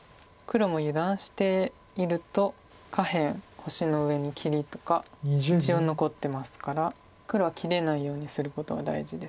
黒も油断していると下辺星の上に切りとか一応残ってますから黒は切れないようにすることが大事です。